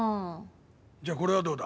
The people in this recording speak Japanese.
じゃあこれはどうだ？